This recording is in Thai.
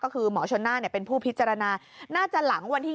ก็คือหมอชนน่าเป็นผู้พิจารณาน่าจะหลังวันที่๒